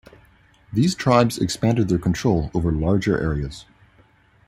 These tribes expanded their control over larger areas.